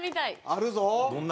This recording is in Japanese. あるぞ！